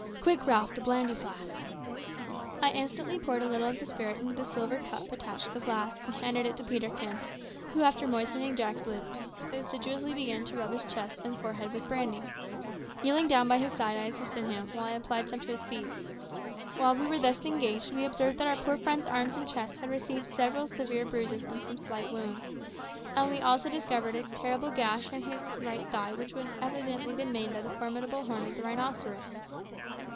Quick, Ralph the brandy flask." I instantly poured a little of the spirit into the silver cup attached to the flask, and handed it to Peterkin, who, after moistening Jack's lips, began assiduously to rub his chest and forehead with brandy. Kneeling down by his side I assisted him, while I applied some to his feet. While we were thus engaged we observed that our poor friend's arms and chest had received several severe bruises and some slight wounds, and we also discovered a terrible gash in his right thigh which had evidently been made by the formidable horn of the rhinoceros.